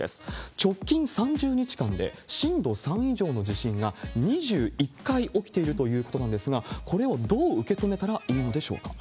直近３０日間で震度３以上の地震が２１回起きているということなんですが、これをどう受け止めたらいいんでしょうか。